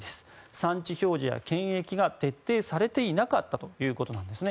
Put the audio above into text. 産地表示や検疫が徹底されていなかったということなんですね。